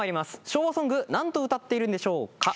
昭和ソング何と歌っているんでしょうか？